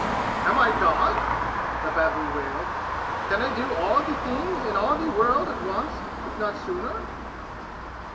"Am I God?" the babu wailed. "Can I do all the e things in all the e world at once if not sooner?"